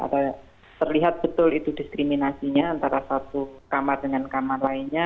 ada terlihat betul itu diskriminasinya antara satu kamar dengan kamar lainnya